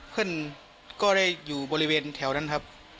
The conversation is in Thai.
เพื่อนก็ได้อยู่บริเวณแถวนั้นครับ